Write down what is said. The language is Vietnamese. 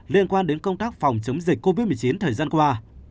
liên quan đến công tác phòng chống dịch covid một mươi chín thời gian qua